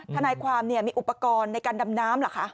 ทนายความมีอุปกรณ์ในการดำน้ำเหรอคะ